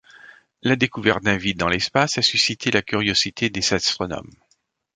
La découverte d'un vide dans l'espace a suscité la curiosité des astronomes.